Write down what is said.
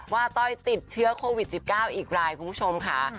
ต้อยติดเชื้อโควิด๑๙อีกรายคุณผู้ชมค่ะ